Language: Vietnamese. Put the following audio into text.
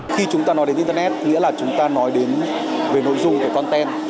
khi chúng ta nói đến internet nghĩa là chúng ta nói đến về nội dung về content